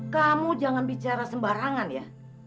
kamu jangan bicara sembarangan ya